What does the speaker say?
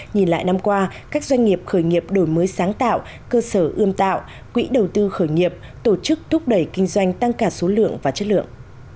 nhìn lại năm qua các doanh nghiệp khởi nghiệp đổi mới sáng tạo cơ sở ươm tạo quỹ đầu tư khởi nghiệp tổ chức thúc đẩy kinh doanh tăng cả số lượng và chất lượng